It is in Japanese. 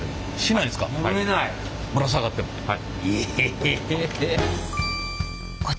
はい。